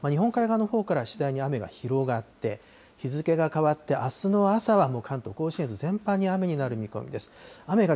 夜は日本海側のほうから次第に雨が広がって、日付が変わってあすの朝はもう関東甲信越全般に雨になる見込みです。